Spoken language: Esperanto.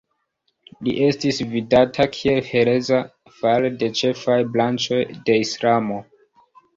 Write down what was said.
Li estis vidata kiel hereza fare de ĉefaj branĉoj de Islamo.